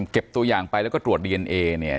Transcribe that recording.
เก็บตัวอย่างไปแล้วก็ตรวจดีแอนนี่